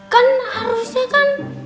kan harusnya kan